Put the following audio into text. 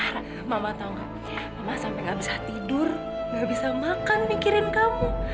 rani mama tau nggak mama sampai nggak bisa tidur nggak bisa makan mikirin kamu